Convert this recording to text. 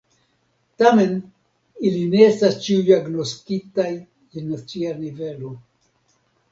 Tamen, ili ne estas ĉiuj agnoskitaj je nacia nivelo.